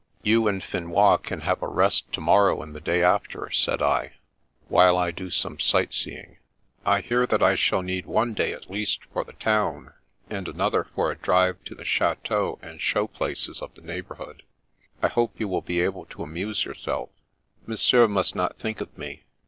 " You and Finois can have a rest to morrow and the day after," said I, " while I do some sightsee ing. I hear that I shall need one day at least for the town, and another for a drive to the chateaux and show places of the neighbourhood. I hope you will be able to amuse yourself." " Monsieur must not think of me.